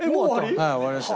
はい終わりました。